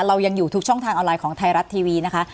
เรายังอยู่ทุกช่องทางออนไลน์ของไทยรัฐทีวีนะคะ